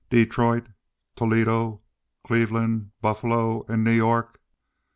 "Detroit, Toledo, Cleveland, Buffalo, and New York."